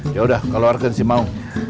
ya udah kalau warga sih mau